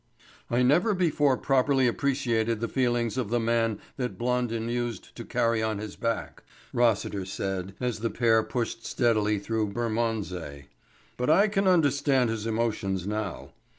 "I never before properly appreciated the feelings of the man that Blondin used to carry on his back." Rossiter said as the pair pushed steadily through Bermondsey, "but I can understand his emotions now."